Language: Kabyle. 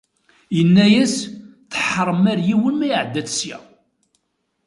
Yenna-as: "Teḥrem ar yiwen ma iɛedda-tt ssya."